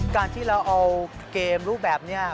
การที่เราเอาเกมรูปแบบนี้